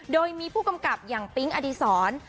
โดยมีผู้กำกับอย่างปิ๊งอดีศร